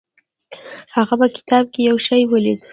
هغه په کتاب کې یو شی ولید.